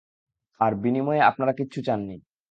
আর বিনিময়ে আপনারা কিচ্ছু চাননি।